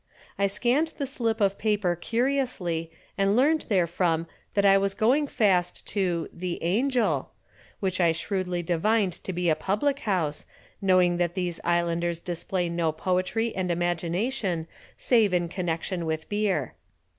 I scanned the slip of paper curiously and learned therefrom that I was going fast to "The Angel," which I shrewdly divined to be a public house, knowing that these islanders display no poetry and imagination save in connection with beer.